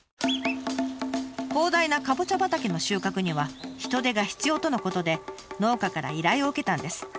広大なカボチャ畑の収穫には人手が必要とのことで農家から依頼を受けたんです。